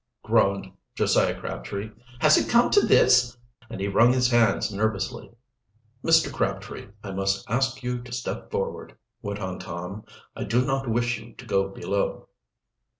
groaned Josiah Crabtree. "Has it come to this!" And he wrung his hands nervously. "Mr. Crabtree, I must ask you to step forward," went on Tom. "I do not wish you to go below."